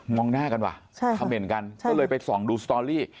องหน้ากันว่ะคำเหน่นกันก็เลยไปส่องดูสตอรี่